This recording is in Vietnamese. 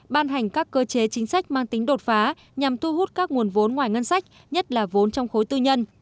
ban hành các cơ chế chính sách mang tính đột phá nhằm thu hút các nguồn vốn ngoài ngân sách nhất là vốn trong khối tư nhân